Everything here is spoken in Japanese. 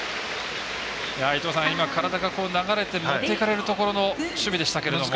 今、体が流れて持っていかれるところの守備でしたけれども。